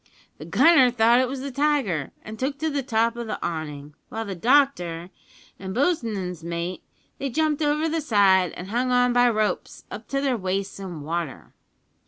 The gunner thought it was the tiger, and took to the top of the awning; while the doctor and bo's'n's mate they jumped over the side, and hung on by ropes up to their waists in water!